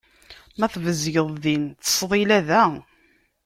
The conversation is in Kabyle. Ma tbezgeḍ din, ttesḍila da.